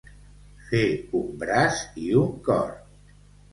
Fer un braç i un cor.